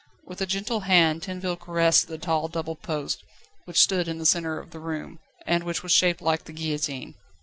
With a gentle hand Tinville caressed the tall double post, which stood in the centre of the room, and which was shaped like the guillotine.